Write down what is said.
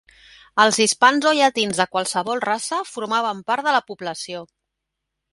Els hispans o llatins de qualsevol raça formaven part de la població.